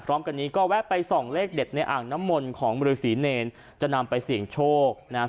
พร้อมกันนี้ก็แวะไปส่องเลขเด็ดในอ่างน้ำมนต์ของบริษีเนรจะนำไปเสี่ยงโชคนะฮะ